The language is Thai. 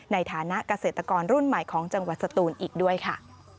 ในฐานะเกษตรกรรุ่นใหม่ของจังหวัดสตูนอีกด้วยค่ะ